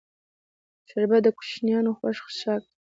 شربت د کوشنیانو خوښ څښاک دی